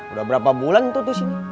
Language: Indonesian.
udah berapa bulan entut di sini